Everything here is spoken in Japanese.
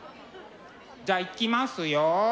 じゃあいきますよ。